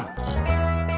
tidak ada apa apa